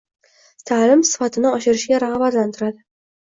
ta’lim sifatini oshirishga rag'batlantiradi